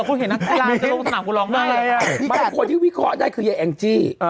คนที่วิเคราะห์ได้คือแองจี้